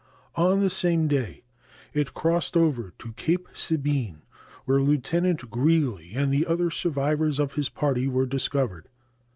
On the same day it crossed over to Cape Sabine, where Lieutenant Greely and the other survivors of his party were discovered.